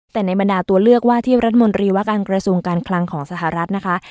แต่ในบรรดาตัวเลือกว่าที่รัฐมนตรีว่าการกระทรวงการคลังของสหรัฐนะคะ